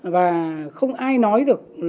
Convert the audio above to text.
và không ai nói được